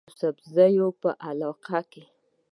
د يوسفزو پۀ علاقه کې